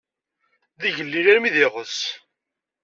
D igellil armi d iɣes.